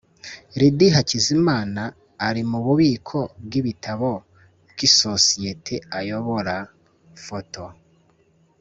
Lydie Hakizimana ari mu bubiko bw’ibitabo bw’isosiye ayobora (foto